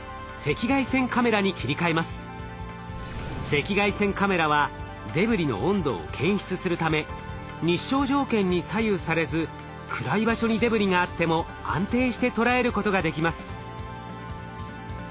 赤外線カメラはデブリの温度を検出するため日照条件に左右されず暗い場所にデブリがあっても安定して捉えることができます。